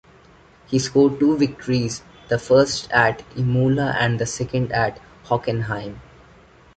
He scored two victories, the first at Imola and the second at Hockenheim.